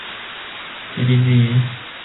ซีดีซี